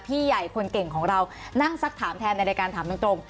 พี่ใหญ่คนเก่งของเรานั่งสักถามแทนในรายการถามตรง